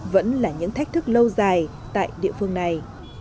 vẫn là những thách thức lâu dài tại địa phương này